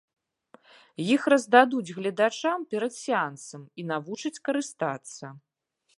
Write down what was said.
Іх раздадуць гледачам перад сеансам і навучаць карыстацца.